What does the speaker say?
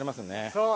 そう。